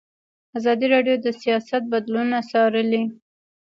ازادي راډیو د سیاست بدلونونه څارلي.